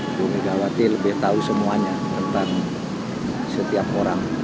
ibu megawati lebih tahu semuanya tentang setiap orang